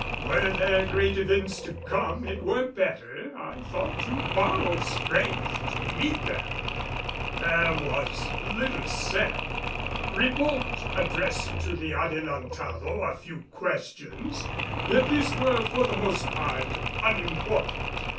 Were there great events to come, it were better, I thought, to borrow strength to meet them. There was little said; Ribault addressed to the Adelantado a few questions, yet these were for the most part unimportant.